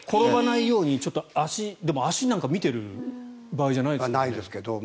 転ばないように足でも、足なんか見てる場合じゃないですよね。